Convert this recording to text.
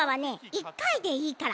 １かいでいいから。